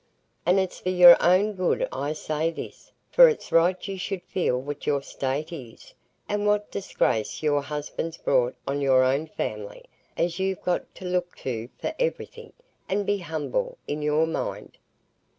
And it's for your own good I say this, for it's right you should feel what your state is, and what disgrace your husband's brought on your own family, as you've got to look to for everything, and be humble in your mind."